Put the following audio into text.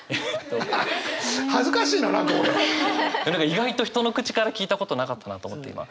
意外と人の口から聞いたことなかったなと思って今。